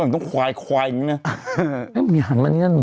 ต้องควายควายอย่างงี้เนี่ย